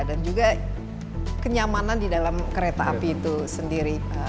dan juga kenyamanan di dalam kereta api itu sendiri